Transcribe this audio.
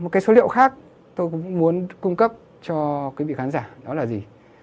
một cái số liệu khác tôi cũng muốn cung cấp cho quý vị khán giả đó là gì